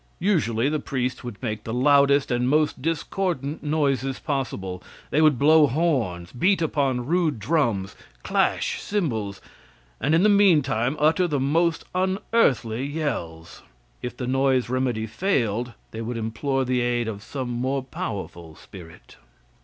Usually the priests would make the loudest and most discordant noises possible. They would blow horns, beat upon rude drums, clash cymbals, and in the meantime utter the most unearthly yells. If the noise remedy failed, they would implore the aid of some more powerful spirit.